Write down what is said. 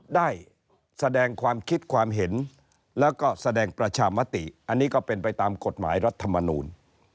ได้แสดงความคิดความเห็นแล้วก็แสดงประชามติอันนี้ก็เป็นไปตามกฎหมายรัฐมนูล